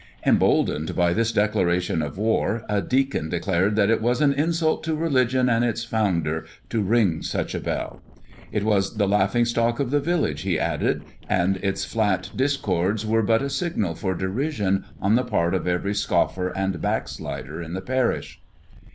Emboldened by this declaration of war, a deacon declared that it was an insult to religion and its Founder, to ring such a bell. It was the laughing stock of the village, he added, and its flat discords were but a signal for derision on the part of every scoffer and backslider in the parish.